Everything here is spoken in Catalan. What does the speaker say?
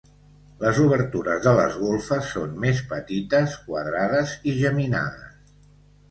Les obertures de les golfes són més petites, quadrades i geminades.